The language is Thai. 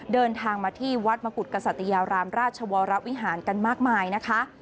เดินทางมาที่วัดมกุฎกษัตยารามราชวรวิหารกันมากมายนะคะ